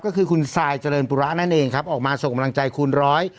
ก็คือคุณซายเจริญปุระนั่นเองครับออกมาส่งกำลังใจคุณร้อย